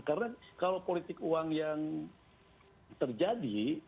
karena kalau politik uang yang terjadi